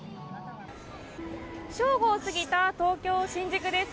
正午を過ぎた東京・新宿です。